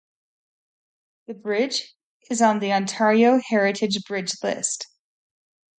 The bridge, is on the Ontario Heritage Bridge List.